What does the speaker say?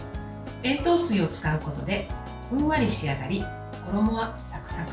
塩糖水を使うことでふんわり仕上がり、衣はサクサク。